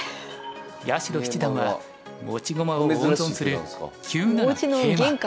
八代七段は持ち駒を温存する９七桂馬。